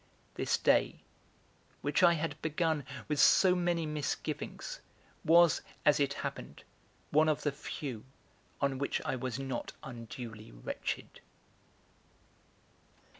This day, which I had begun with so many misgivings, was, as it happened, one of the few on which I was not unduly wretched.